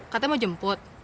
katanya mau jemput